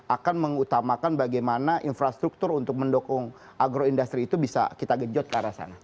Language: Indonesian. akan mengutamakan bagaimana infrastruktur untuk mendukung agroindustri itu bisa kita gejot ke arah sana